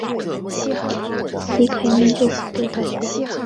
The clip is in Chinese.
李凯茵就读佛教黄允畋中学。